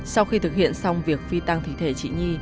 sau khi thực hiện xong việc phi tang thi thể chị n